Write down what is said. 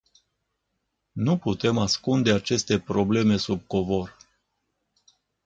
Nu putem ascunde aceste probleme sub covor!